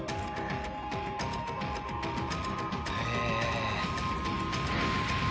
へえ。